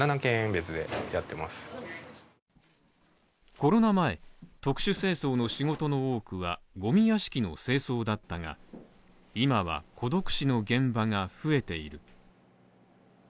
コロナ前特殊清掃の仕事の多くは、ゴミ屋敷の清掃だったが今は孤独死の現場が増えている。